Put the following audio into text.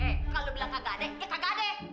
eh kalau lo bilang kagak ada ya kagak ada